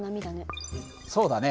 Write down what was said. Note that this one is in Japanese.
そうだね。